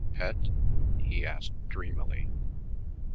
"Pet?" he asked dreamily.